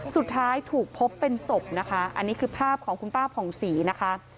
สุดท้ายถูกพบเป็นศพนะคะอันนี้คือภาพของคุณป้าผ่องศรีนะคะ